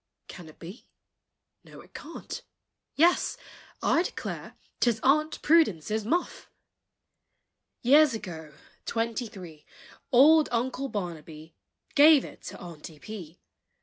Can it be? no, it can't, Yes, I declare 't is Aunt Prudence's Muff! Years ago twenty three! Old Uncle Barnaby Gave it to Aunty P.